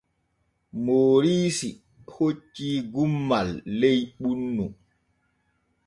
Mooriisi hoccii gummal ley ɓunnu.